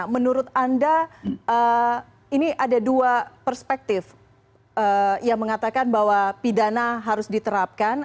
menurut anda ini ada dua perspektif yang mengatakan bahwa pidana harus diterapkan